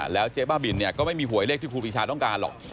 แล้วเจ๊บ้าบินก็ไม่มีหวยเลขที่ครูปีชาต้องการหรอก